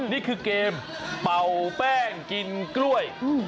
นี่คือเกมเป่าแป้งกินกล้วย